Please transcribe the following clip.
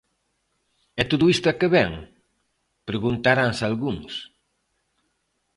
E todo isto a que vén?, preguntaranse algúns.